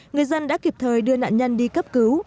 người dân đã kịp thời đưa nạn nhân đi cấp cứu